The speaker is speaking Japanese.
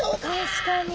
確かに。